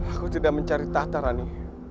aku tidak mencari tahta rani